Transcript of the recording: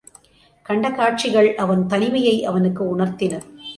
கண்ட காட்சிகள் அவன் தனிமையை அவனுக்கு உணர்த்தின.